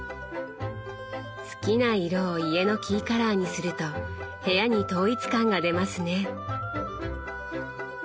好きな色を家のキーカラーにすると部屋に統一感が出ますね。